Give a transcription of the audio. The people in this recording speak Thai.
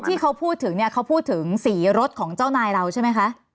ที่เขาพูดถึงเนี่ยเขาพูดถึงสีรถของเจ้านายเราใช่ไหมคะ